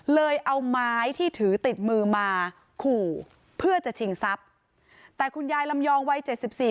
เลยเอาไม้ที่ถือติดมือมาขู่เพื่อจะชิงทรัพย์แต่คุณยายลำยองวัยเจ็ดสิบสี่